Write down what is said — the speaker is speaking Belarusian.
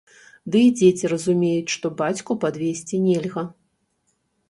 Ды і дзеці разумеюць, што бацьку падвесці нельга.